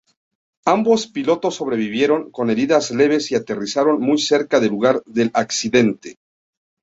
Ambos pilotos sobrevivieron con heridas leves y aterrizaron muy cerca del lugar del accidente.